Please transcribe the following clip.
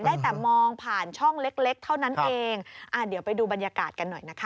ได้แต่มองผ่านช่องเล็กเล็กเท่านั้นเองอ่าเดี๋ยวไปดูบรรยากาศกันหน่อยนะคะ